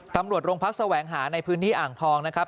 ตำรวจโรงพักแสวงหาในพื้นที่อ่างทองนะครับ